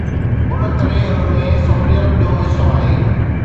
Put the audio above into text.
ان ڪري ان ۾ سعودي عرب جو حصو آهي.